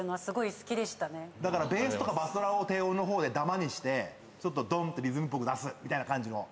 だからベースとかバスドラを低音の方でだまにしてドンってリズムっぽく出すみたいな感じの。